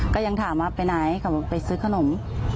ก็ยังถามว่าไปไหนก็บอกว่าไปซื้อขนม